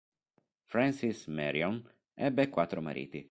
Frances Marion ebbe quattro mariti.